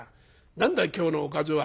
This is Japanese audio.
何だい今日のおかずは？」。